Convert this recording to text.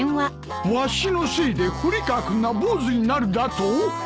わしのせいで堀川君が坊主になるだと！？